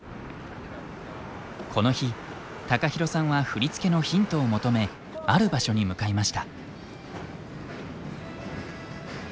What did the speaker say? この日ＴＡＫＡＨＩＲＯさんは振り付けのヒントを求めある場所に向かいました。